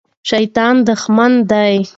شیطان دښمن دی.